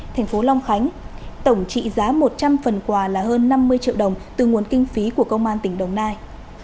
thành phố long khánh tổng trị giá một trăm linh phần quà là hơn năm mươi triệu đồng từ nguồn kinh phí của công an tỉnh đồng nai